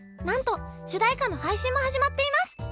なんと主題歌の配信も始まっています。